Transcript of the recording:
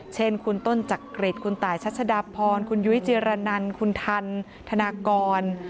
เช่นคุณต้นจักริตคุณตายชัชดาพรคุณยุ้ยจิรนันคุณทันธนากร